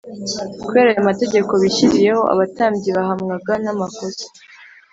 kubera ayo mategeko bishyiriyeho, abatambyi bahamwaga n’amakosa